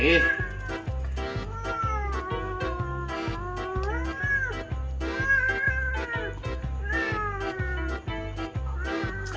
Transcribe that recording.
เดินเดินหน้าไป